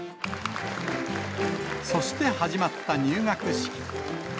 そして始まった入学式。